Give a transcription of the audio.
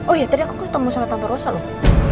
oh ya tadi aku ketemu sama tante rosa loh